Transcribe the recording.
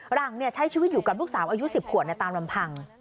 หลังใช้ชีวิตอยู่กับลูกสาวอายุ๑๐ขวบในตามลำพัง